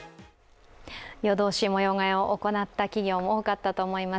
夜通し模様替えを行った企業も多かったと思います。